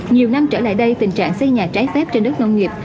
nhiều năm trở lại đây tình trạng xây nhà trái phép trên đất nông nghiệp